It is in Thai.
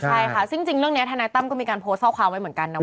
ใช่ค่ะซึ่งจริงเรื่องนี้ทนายตั้มก็มีการโพสต์ข้อความไว้เหมือนกันนะว่า